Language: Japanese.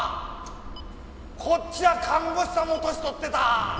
「こっちは看護師さんも年とってた！」